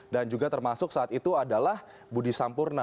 juga termasuk saat itu adalah budi sampurna